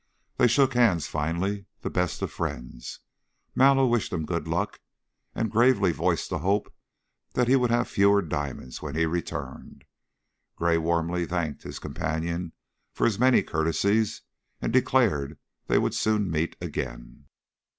They shook hands finally, the best of friends. Mallow wished him good luck and gravely voiced the hope that he would have fewer diamonds when he returned. Gray warmly thanked his companion for his many courtesies and declared they would soon meet again.